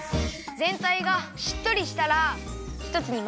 ぜんたいがしっとりしたらひとつにまとめます。